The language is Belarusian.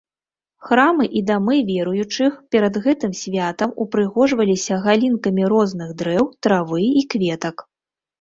Храмы і дамы веруючых перад гэтым святам упрыгожваліся галінкамі розных дрэў, травы і кветак.